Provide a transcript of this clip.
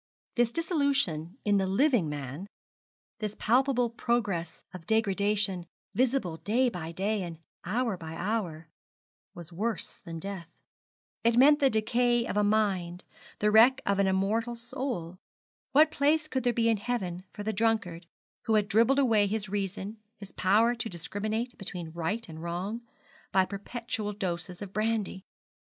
This dissolution in the living man, this palpable progress of degradation, visible day by day and hour by hour, was worse than death. It meant the decay and ruin of a mind, the wreck of an immortal soul. What place could there be in heaven for the drunkard, who had dribbled away his reason, his power to discriminate between right and wrong, by perpetual doses of brandy?